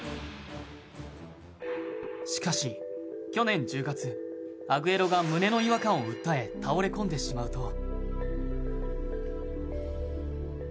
しかし、去年１０月アグエロが胸の違和感を訴え倒れ込んでしまうと。